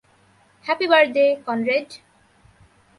Happy birthday, Conrad.